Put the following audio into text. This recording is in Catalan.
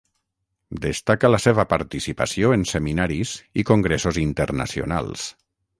Destaca la seva participació en seminaris i congressos internacionals.